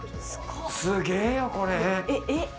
すげえよこれ。